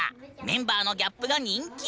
メンバーのギャップが人気！